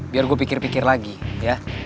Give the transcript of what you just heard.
biar gue pikir pikir lagi ya